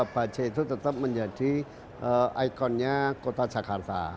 bajai itu tetap menjadi ikonnya kota jakarta